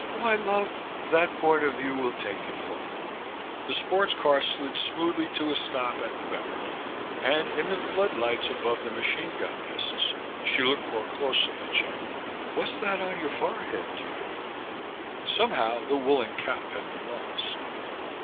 "Why, love, that point of view will take you far." The sports car slid smoothly to a stop at the barricade and, in the floodlights above the machine gun nests, she looked more closely at Chandler. "What's that on your forehead, dear?" Somehow the woolen cap had been lost.